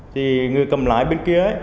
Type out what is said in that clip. thì người cầm lái bên kia